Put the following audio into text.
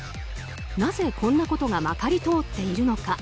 なぜこんなことがまかり通っているのか。